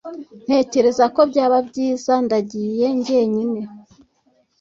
Ntekereza ko byaba byiza ndagiye jyenyine